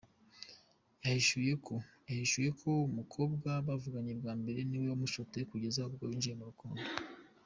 Yahishuye ko umukobwa bavuganye bwa mbere ni we wamushotoye kugeza ubwo binjiye mu rukundo.